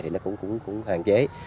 thì nó cũng hoàn chất